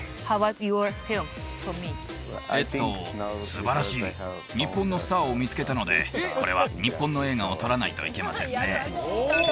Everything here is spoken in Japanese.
えっとすばらしい日本のスターを見つけたのでこれは日本の映画を撮らないといけませんね